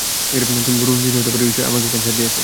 তুমি পুরোপুরি নিশ্চিত হতে পারো ঈশ্বর আমাকে ক্যান্সার দিয়েছেন।